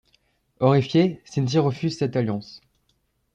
Horrifiée, Cynthy refuse cette alliance.